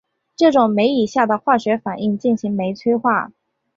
这种酶以下的化学反应进行酶催化。